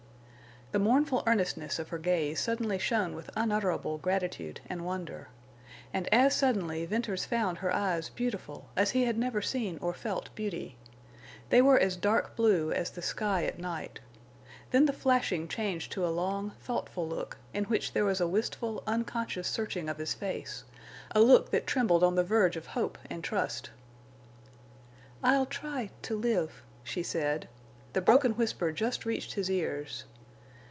The mournful earnestness of her gaze suddenly shone with unutterable gratitude and wonder. And as suddenly Venters found her eyes beautiful as he had never seen or felt beauty. They were as dark blue as the sky at night. Then the flashing changed to a long, thoughtful look, in which there was a wistful, unconscious searching of his face, a look that trembled on the verge of hope and trust. "I'll try—to live," she said. The broken whisper just reached his ears.